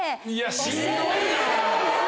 いやしんどいな。